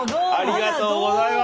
ありがとうございます。